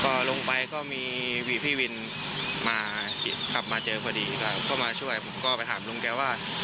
ก็ลงไปก็มีพี่วินมาขับมาเจอพอดีก็มาช่วยผมก็ไปถามลุงแกว่า